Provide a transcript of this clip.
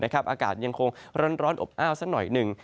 อากาศยังคงร้อนอบอ้าวสักหน่อยหนึ่ง